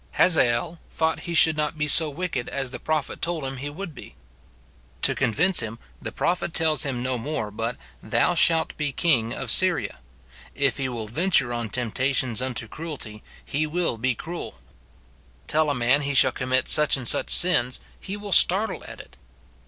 Hazael thought he should not be so wicked as the prophet told him he would be. To convince him, the prophet tells him no more but, *' Thou shalt be king of Syria." If he will venture on 22 * 258 MORTIFICATION OF temptations unto cruelty, lie will be cruel. Tell a man he shall commit such and such sins, he will startle at it.